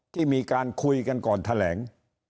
ที่มีการคุยกันก่อนแถลง